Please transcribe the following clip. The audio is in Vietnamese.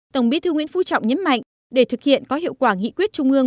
tổng bí thư nguyễn phú trọng nhấn mạnh để thực hiện có hiệu quả nghị quyết trung ương